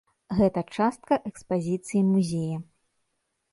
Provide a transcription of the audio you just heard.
Гэта частка экспазіцыі музея.